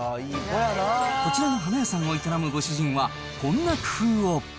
こちらの花屋さんを営むご主人は、こんな工夫を。